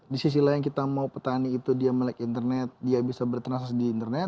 di sisi lain kita mau petani itu dia melek internet dia bisa bertransaksi di internet